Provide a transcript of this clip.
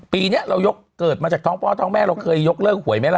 ปีนี้เรายกเกิดมาจากท้องพ่อท้องแม่เราเคยยกเลิกหวยไหมล่ะ